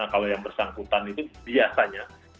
kalau yang bersangkutan itu biasanya